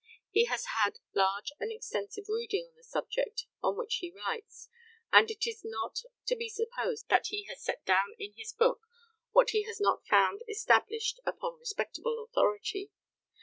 He has had large and extensive reading on the subject on which he writes, and it is not to be supposed that he has set down in his book what he has not found established upon respectable authority.